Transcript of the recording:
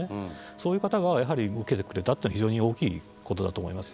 そういう方がやはり受けてくれたっていうのが非常に大きいことだと思います。